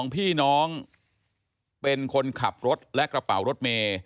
พี่น้องเป็นคนขับรถและกระเป๋ารถเมย์